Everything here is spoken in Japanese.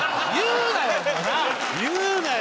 言うなよ！